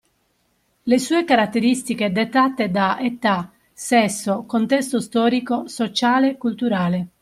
Le sue caratteristiche dettate da età, sesso, contesto storico, sociale, culturale.